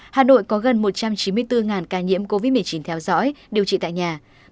hà nội có gần một trăm chín mươi bốn ca nhiễm covid một mươi chín theo dõi điều trị tại nhà